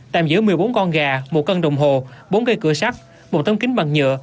tạm giữ một mươi bốn con gà một cân đồng hồ bốn cây cửa sắt một tấm kính bằng nhựa